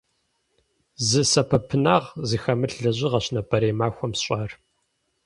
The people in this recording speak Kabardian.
Зы сэбэпынагъ зыхэмылъ лэжьыгъэщ нобэрей махуэм сщӏар.